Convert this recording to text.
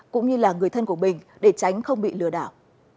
cũng như là người thân của mình để tránh không bị lừa đảo